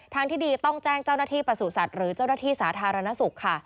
ที่ดีต้องแจ้งเจ้าหน้าที่ประสูจนสัตว์หรือเจ้าหน้าที่สาธารณสุขค่ะ